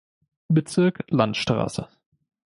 Bezirk Landstraße.